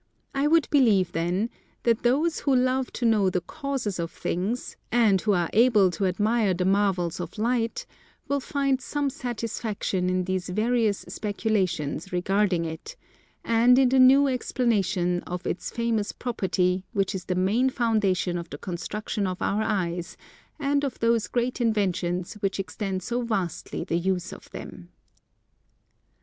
I would believe then that those who love to know the Causes of things and who are able to admire the marvels of Light, will find some satisfaction in these various speculations regarding it, and in the new explanation of its famous property which is the main foundation of the construction of our eyes and of those great inventions which extend so vastly the use of them.